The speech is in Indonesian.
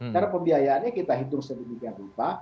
cara pembiayaannya kita hitung sedemikian rupa